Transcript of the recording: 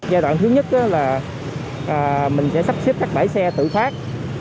giai đoạn thứ nhất là mình sẽ sắp xếp các bãi xe tự phát